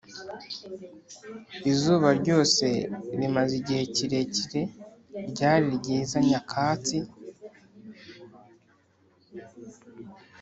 izuba ryose rimaze igihe kirekire, ryari ryiza, nyakatsi